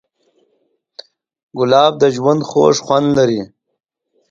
ګلاب د ژوند خوږ خوند لري.